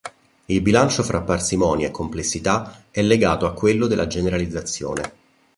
Il bilancio fra parsimonia e complessità è legato a quello della generalizzazione.